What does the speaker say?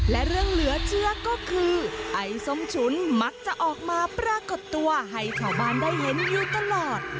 และเรื่องเหลือเชื้อก็คือไอ้ส้มฉุนมักจะออกมาปรากฏตัวให้ชาวบ้านได้เห็นอยู่ตลอด